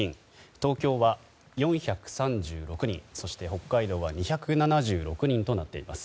東京は４３６人そして北海道は２７６人となっています。